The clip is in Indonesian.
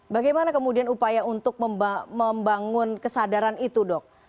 bagaimana kemudian upaya untuk membangun kesadaran itu dok